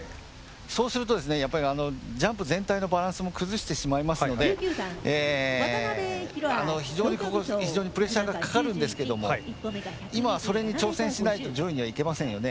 そうするとジャンプ全体のバランスも崩してしまいますので非常にここ、プレッシャーがかかるんですけども今は、それに挑戦しないと上位には、いけませんよね。